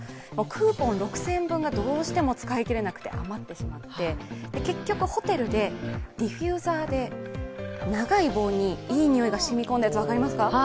クーポン６０００円分がどうしても使えなくて余ってしまって、結局、ホテルでデュヒューザーで長い棒にいい匂いがしみ込んでるの、分かりますか？